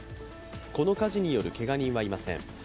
この火事によるけが人はいません。